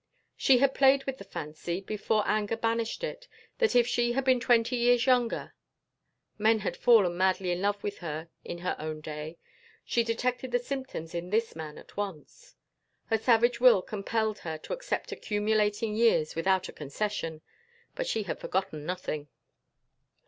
She had played with the fancy, before anger banished it, that if she had been twenty years younger.... Men had fallen madly in love with her in her own day.... She detected the symptoms in this man at once. Her savage will compelled her to accept accumulating years without a concession. But she had forgotten nothing.